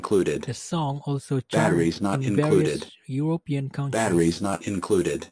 The song also charted in various European countries.